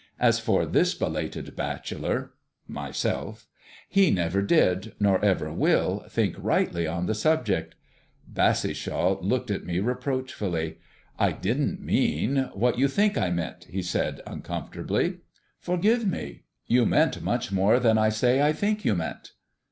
As for this belated bachelor," myself "he never did, nor ever will, think rightly on the subject." Bassishaw looked at me reproachfully. "I didn't mean what you think I meant," he said uncomfortably. "Forgive me. You meant much more than I say I think you meant."